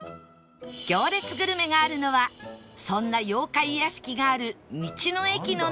行列グルメがあるのはそんな妖怪屋敷がある道の駅の中